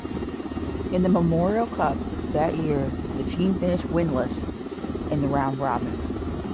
In the Memorial Cup that year, the team finished winless in the round-robin.